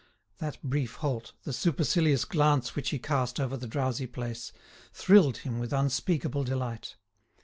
That brief halt, the supercilious glance which he cast over the drowsy place, thrilled him with unspeakable delight.